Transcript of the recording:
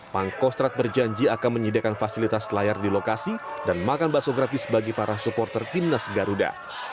pangkostrat berjanji akan menyediakan fasilitas layar di lokasi dan makan bakso gratis bagi para supporter timnas garuda